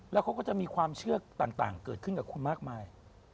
แล้วเขาก็จะมีความเชื่อต่างเกิดขึ้นกับคุณมากมาย